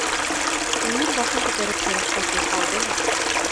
Илнур башын күтәреп Сәлихкә күҙ һалды ла: